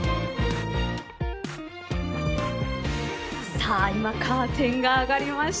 さあ今カーテンが上がりました。